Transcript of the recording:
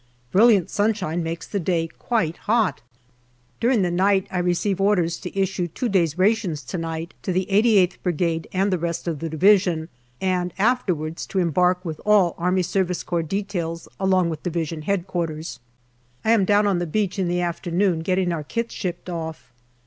Brilliant sunshine makes the day quite hot. During the night I receive orders to issue two days' rations to night to the 88th Brigade and the rest of the Division, and afterwards to embark with all A.S.C. details along with D.H.Q. I am down on the beach in the afternoon getting our kits shipped off.